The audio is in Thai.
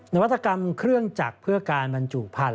นวัตกรรมเครื่องจักรเพื่อการบรรจุพันธ